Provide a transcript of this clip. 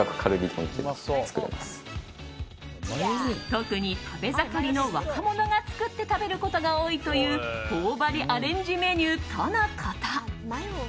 特に食べ盛りの若者が作って食べることが多いという頬張りアレンジメニューとのこと。